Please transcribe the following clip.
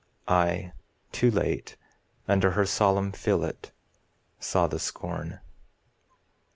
I, too late, Under her solemn fillet saw the scorn.